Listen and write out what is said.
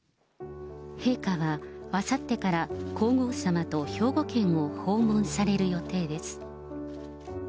陛下はあさってから、皇后さまと兵庫県を訪問される予定です。